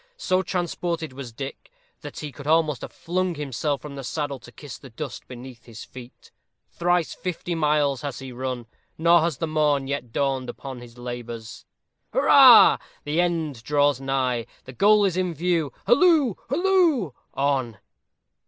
So transported was Dick, that he could almost have flung himself from the saddle to kiss the dust beneath his feet. Thrice fifty miles has he run, nor has the morn yet dawned upon his labors. Hurrah! the end draws nigh; the goal is in view. Halloo! halloo! on!